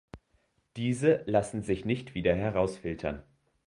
Diese lassen sich nicht wieder herausfiltern.